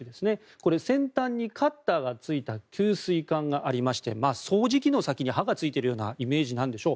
これは先端にカッターがついた吸水管がありまして掃除機の先に刃がついているようなイメージなんでしょう。